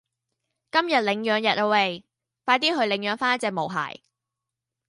今日領養日啊餵，快啲去領養返一隻毛孩